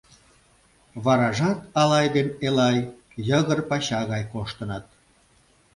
Варажат Алай ден Элай йыгыр пача гай коштыныт.